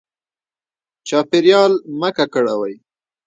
چاپیریال مه ککړوئ.